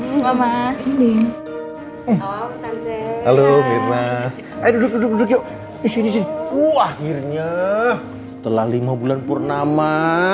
halo halo mirna duduk duduk isi isi uh akhirnya telah lima bulan purnama